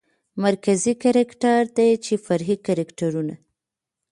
مرکزي کرکتر دى چې فرعي کرکترونه